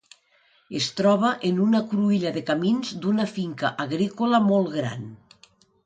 Es troba en una cruïlla de camins d'una finca agrícola molt gran.